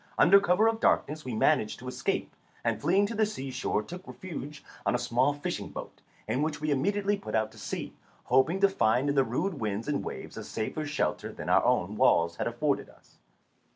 Under cover of darkness we managed to escape, and fleeing to the sea shore took refuge on a small fishing boat, in which we immediately put out to sea, hoping to find in the rude winds and waves a safer shelter than our own walls had afforded us.